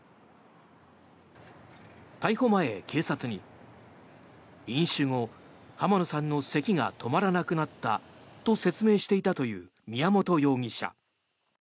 逮捕前、警察に飲酒後、浜野さんのせきが止まらなくなったと説明していたという宮本容疑者。